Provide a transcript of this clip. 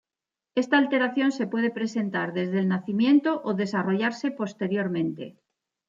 Esta alteración se puede presentar desde el nacimiento o desarrollarse posteriormente.